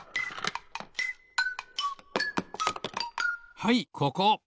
はいここ。